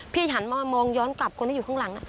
หันมามองย้อนกลับคนที่อยู่ข้างหลัง